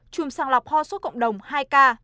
chùm sàng lọc ho sốt cộng đồng hai ca